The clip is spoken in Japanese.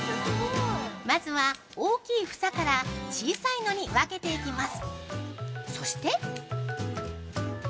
◆まずは、大きい房から小さいのに分けていきます。